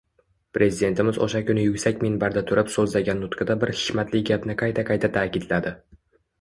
Prezidentimiz oʻsha kuni yuksak minbarda turib soʻzlagan nutqida bir hikmatli gapni qayta-qayta taʼkidladi.